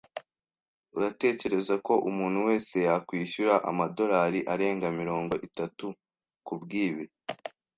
Uratekereza ko umuntu wese yakwishyura amadorari arenga mirongo itatu kubwibi?